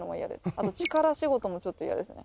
あと力仕事もちょっと嫌ですね。